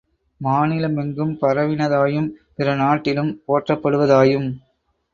மாநிலமெங்கும் பரவினதாயும், பிறநாட்டிலும் போற்றப்படுவதாயும்